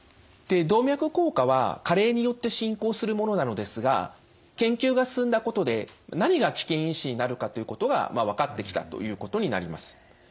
動脈硬化は加齢によって進行するものなのですが研究が進んだことで何が危険因子になるかということが分かってきたということになります。